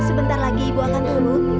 sebentar lagi ibu akan tunggu